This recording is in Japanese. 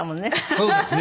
そうですね。